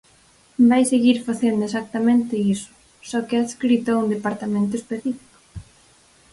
Vai seguir facendo exactamente iso, só que adscrito a un departamento específico.